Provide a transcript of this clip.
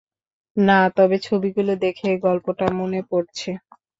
না, তবে ছবিগুলো দেখে গল্পটা মনে পড়ছে!